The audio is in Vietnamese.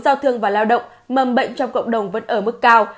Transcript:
giao thương và lao động mầm bệnh trong cộng đồng vẫn ở mức cao